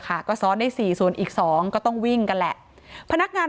ค่ะก็ซ้อนได้๔ส่วนอีก๒ก็ต้องวิ่งกันแหละพนักงาน